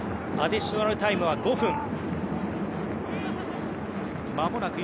アディショナルタイムは５分。